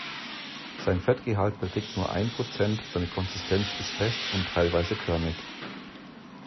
Sein Fettgehalt beträgt nur ein Prozent, seine Konsistenz ist fest und teilweise körnig.